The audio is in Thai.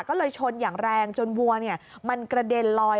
ก็เลยชนอย่างแรงจนวัวมันกระเด็นลอย